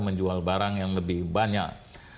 menjual barang yang lebih banyak